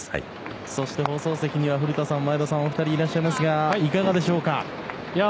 そして放送席には古田さん、前田さんのお二人がいらっしゃいますがいかがでしょうか？